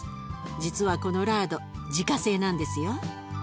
実はこのラード自家製なんですよ。